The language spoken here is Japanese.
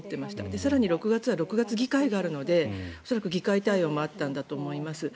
更に、６月は６月議会があるので恐らく議会対応もあったんだと思います。